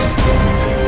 aku akan membuatmu